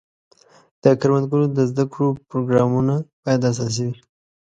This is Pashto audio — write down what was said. د کروندګرو د زده کړو پروګرامونه باید اساسي وي.